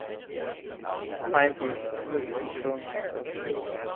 Find me the television show MythBusters